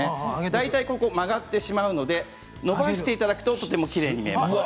大体曲がってしまうので伸ばしていただくととてもきれいに見えます。